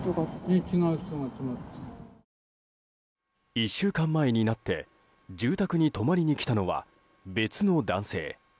１週間前になって、住宅に泊まりに来たのは別の男性。